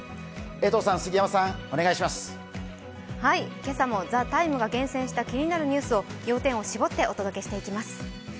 今朝も「ＴＨＥＴＩＭＥ，」が絞った気になるニュースを要点を絞ってお届けしていきます。